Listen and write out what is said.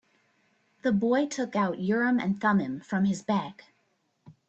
The boy took out Urim and Thummim from his bag.